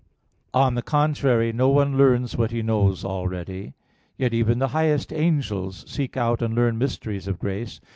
On the contrary, No one learns what he knows already. Yet even the highest angels seek out and learn mysteries of grace.